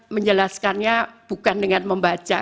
menjelaskannya bukan dengan membaca